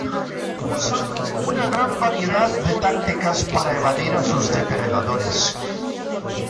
Usan una gran variedad de tácticas para evadir a sus depredadores.